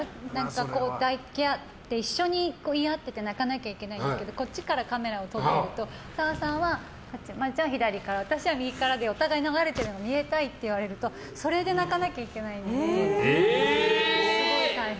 抱き合って一緒に言い合ってて泣かなきゃいけないんですけどこっちからカメラを撮ってると小沢さんは左から、私は右からでお互い流れてるの見えたいって言われるとそれで泣かなきゃいけないのですごい大変で。